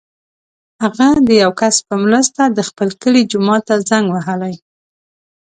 هغه د یو کس په مرسته د خپل کلي جومات ته زنګ وهلی.